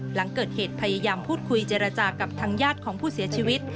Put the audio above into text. หลังเกิดเหตุพยายามพูดคุยเจรจากับทางญาติของผู้เสียชีวิต